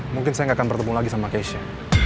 mungkin saya nggak akan bertemu lagi sama keisha